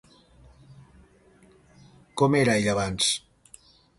Com era ella abans?